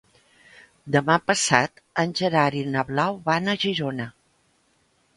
Demà passat en Gerard i na Blau van a Girona.